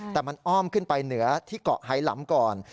แต่มันอ้อมขึ้นไปเหนือที่เกาะไฮลัมก่อน